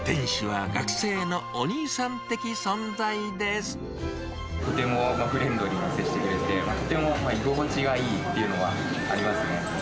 とてもフレンドリーに接してくれて、とても居心地がいいというのはありますね。